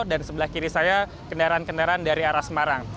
dan sebelah kiri saya kendaraan kendaraan dari arah semarang